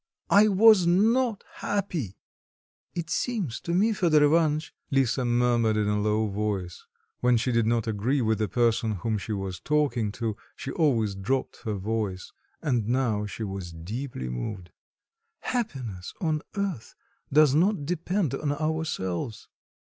I was not happy!" "It seems to me, Fedor Ivanitch," Lisa murmured in a low voice when she did not agree with the person whom she was talking, she always dropped her voice; and now too she was deeply moved "happiness on earth does not depend on ourselves."